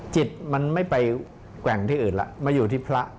จิตมันไม่ไปแกว่งที่อื่นแล้วมาอยู่ที่พระ